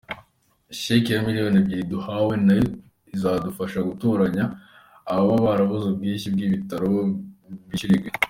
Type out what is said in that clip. Sheke ya miliyoni ebyiri duhawe nayo izadufasha gutoranya ababa barabuze ubwishyu bw’ibitaro bishyurirwe”.